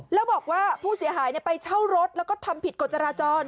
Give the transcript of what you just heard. แล้วบอกว่าผู้เสียหายไปเช่ารถแล้วก็ทำผิดกฎจราจร